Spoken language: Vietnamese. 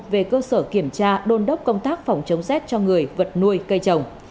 về cơ sở kiểm tra đôn đốc công tác phòng chống rét cho người vật nuôi cây trồng